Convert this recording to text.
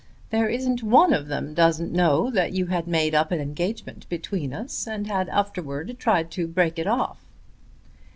There isn't one of them doesn't know that you had made up an engagement between us and had afterwards tried to break it off."